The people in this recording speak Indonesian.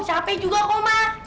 capek juga kok mak